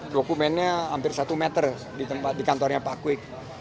dokumennya hampir satu meter di kantornya pak kwik